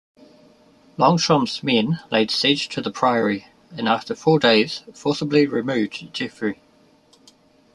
Longchamp's men laid siege to the priory, and after four days forcibly removed Geoffrey.